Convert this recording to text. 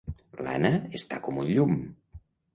L'Anna està com un llum.